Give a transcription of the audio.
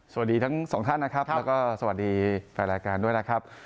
สวัสดีทั้งสองท่านนะครับแล้วก็สวัสดีแฟนรายการด้วยนะครับ